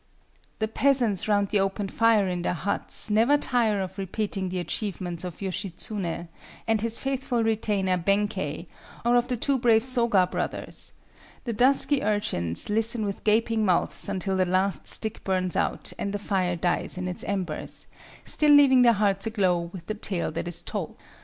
The peasants round the open fire in their huts never tire of repeating the achievements of Yoshitsuné and his faithful retainer Benkei, or of the two brave Soga brothers; the dusky urchins listen with gaping mouths until the last stick burns out and the fire dies in its embers, still leaving their hearts aglow with the tale that is told.